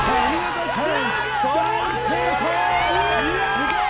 すげえ！